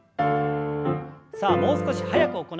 さあもう少し早く行います。